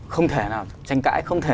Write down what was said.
không thể nào tranh cãi không thể